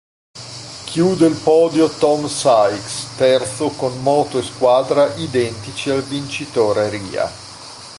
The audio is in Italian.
Chiude il podio Tom Sykes, terzo con moto e squadra identici al vincitore Rea.